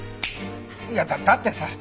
いやだってさ